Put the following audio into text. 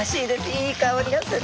いい香りがする。